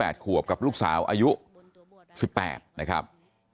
ขวบกับลูกสาวอายุ๑๘นะครับ